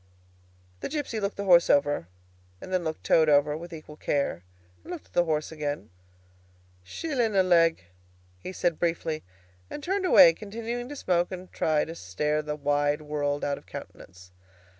The gipsy looked the horse over, and then he looked Toad over with equal care, and looked at the horse again. "Shillin' a leg," he said briefly, and turned away, continuing to smoke and try to stare the wide world out of countenance.